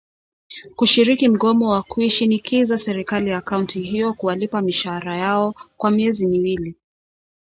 kushiriki mgomo wa kuishinikiza serikali ya kaunti hiyo kuwalipa mishahra yao kwa miezi miwili